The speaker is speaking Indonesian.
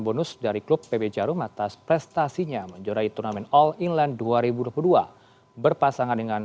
bonus dari klub pb jarum atas prestasinya menjurai turnamen all england dua ribu dua puluh dua berpasangan dengan